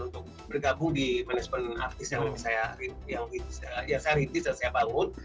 untuk bergabung di management artis yang saya rintis dan saya bangun